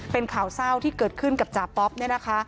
เป็นข่าวเศร้าที่เกิดขึ้นกับจาป๊อปเนี่ยนะคะ